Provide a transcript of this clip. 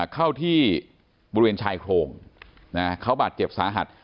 เข้าที่บริเวณชายโครงเขาบาดเจ็บสาหัส